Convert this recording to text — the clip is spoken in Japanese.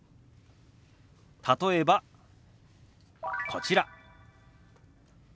例えばこちら。